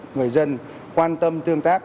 người dân quan tâm tương tác